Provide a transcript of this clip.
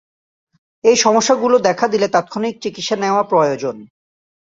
এই সমস্যাগুলো দেখা দিলে তাৎক্ষণিক চিকিৎসা নেয়া প্রয়োজন।